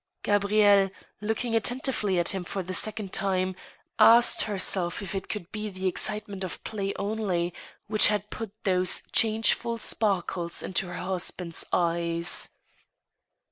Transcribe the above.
Gabrielle, looking attentively at him for the second time, asked herself if it could be the excitement of play only which had put those changeful sparkles into her husband's eyes.